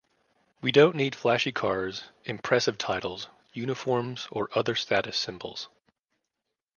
We don't need flashy cars, impressive titles, uniforms or other status symbols.